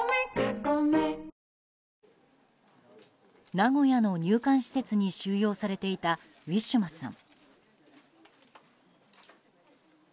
名古屋の入管施設に収容されていたウィシュマさん。